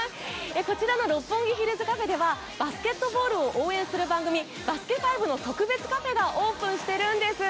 こちらの六本木・ヒルズカフェではバスケットボールを応援する番組「バスケ☆ＦＩＶＥ」の特別カフェがオープンしているんです。